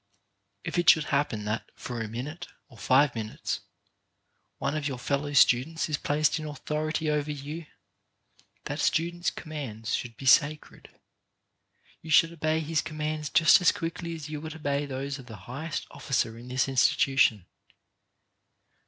If it should happen that for a minute, or five minutes, one of your fellow students is placed in authority over you, that student's commands should be sacred. You should obey his com mands just as quickly as you would obey those of the highest officer in this institution.